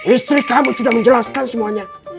istri kami sudah menjelaskan semuanya